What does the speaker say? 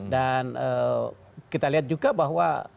dan kita lihat juga bahwa